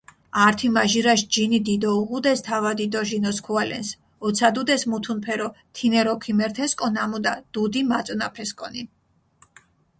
ართიმაჟირაშ ჯინი დიდი უღუდეს თავადი დო ჟინოსქუალენს, ოცადუდეს მუთუნფერო, თინერო ქიმერთესკო ნამუდა დუდი მაწონაფესკონი.